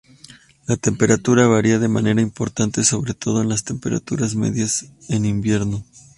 La temperatura varía de manera importante, sobre todo en las temperaturas medias en invierno.